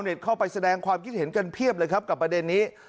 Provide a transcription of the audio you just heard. เข้าไปแสดงความคิดเห็นกันเพียบเลยครับกับประเด็นนี้